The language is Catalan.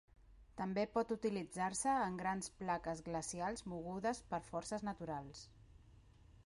També pot utilitzar-se en grans plaques glacials mogudes per forces naturals.